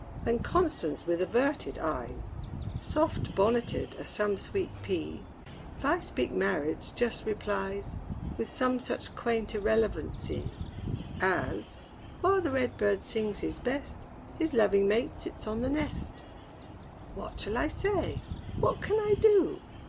When CONSTANCE, with averted eyes, Soft bonneted as some sweet pea, If I speak marriage, just replies With some such quaint irrelevancy, As, While the red bird sings his best, His loving mate sits on the nest. What shall I say? what can I do?